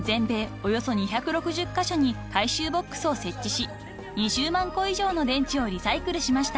およそ２６０カ所に回収ボックスを設置し２０万個以上の電池をリサイクルしました］